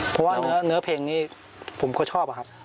เพราะว่าเนื้อเพลงนี้ผมก็ชอบอะครับ